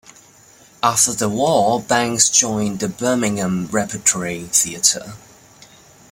After the war, Banks joined the Birmingham Repertory Theatre.